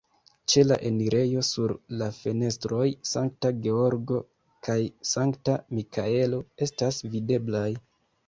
Ĉe la enirejo sur la fenestroj Sankta Georgo kaj Sankta Mikaelo estas videblaj.